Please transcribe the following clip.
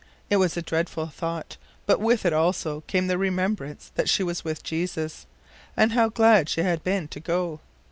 It was a dreadful thought, but with it also came the remembrance that she was with Jesus, and how glad she had been to go.